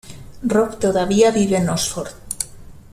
Rob todavía vive en Oxford.